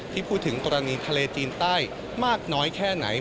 ที่พูดถึงกรณีทะเลจีนใต้มากน้อยแค่ไหน